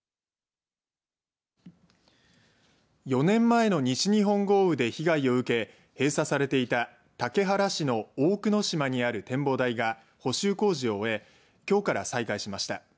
４年前の西日本豪雨で被害を受け閉鎖されていた竹原市の大久野島にある展望台が補修工事を終えきょうから再開しました。